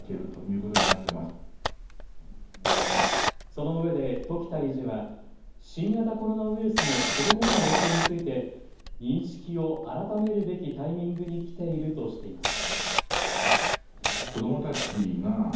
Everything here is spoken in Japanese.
そのうえで時田理事は新型コロナウイルスの子どもへの影響について認識を改めるべきタイミングに来ているとしています。